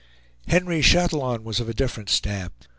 Henry Chatillon was of a different stamp.